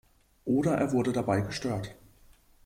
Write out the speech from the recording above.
Oder er wurde dabei gestört.